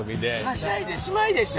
はしゃいでしまいでしょ。